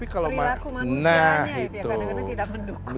kadang kadang tidak mendukung